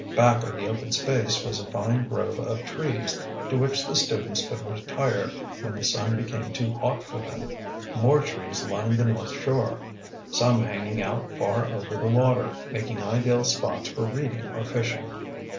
Back of the open space was a fine grove of trees, to which the students could retire when the sun became too hot for them. More trees lined the north shore, some hanging out far over the water, making ideal spots for reading or fishing.